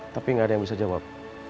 tapi nggak ada yang bisa jawab